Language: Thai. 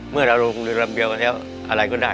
เมื่อเราลงเรือลำเดียวกันแล้วอะไรก็ได้